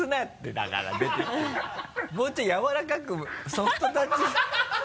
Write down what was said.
もうちょいやわらかくソフトタッチ。